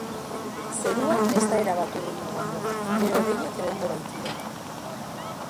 Zerua ez da erabat urdin egongo, behe-hodeiak egongo baitira.